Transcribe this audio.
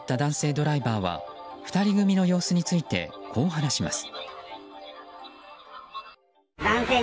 ドライバーは２人組の様子についてこう話します。